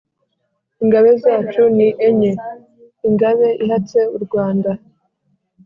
ingabe zacu ni enye: ingabe ihatse u rwanda,